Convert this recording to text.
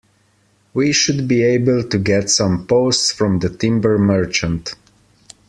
We should be able to get some posts from the timber merchant